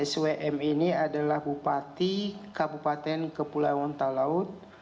swm ini adalah bupati kabupaten kepulauan talaut